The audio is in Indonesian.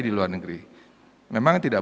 di luar negeri memang tidak